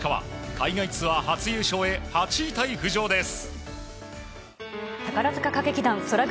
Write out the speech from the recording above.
海外ツアー初優勝へ８位タイ浮上です。